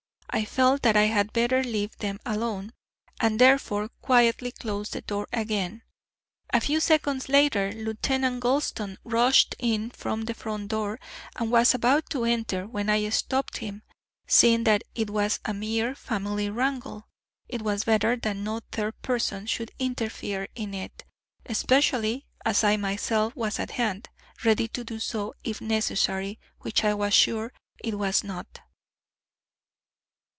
I felt that I had better leave them alone, and therefore quietly closed the door again. A few seconds later Lieutenant Gulston rushed in from the front door, and was about to enter when I stopped him. Seeing that it was a mere family wrangle, it was better that no third person should interfere in it, especially as I myself was at hand, ready to do so if necessary, which I was sure it was not."